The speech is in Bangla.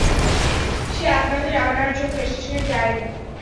সে আপনাদের আনার জন্য স্টেশনে যায় নি?